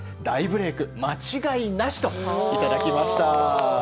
大ブレーク間違いなし！といただきました。